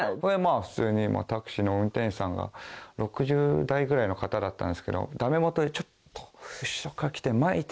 普通にタクシーの運転手さんが６０代ぐらいの方だったんですけどダメもとで「ちょっと」。